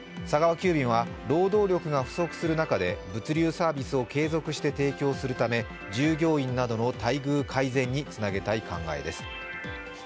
急便は労働力が不足する中で物流サービスを継続して提供するため従業員などの待遇改善につなげたい考えです。